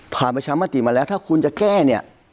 ประชามติมาแล้วถ้าคุณจะแก้เนี่ย